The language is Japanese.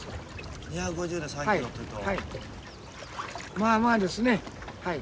まあまあですねはい。